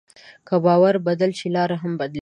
که باور بدل شي، لاره هم بدلېږي.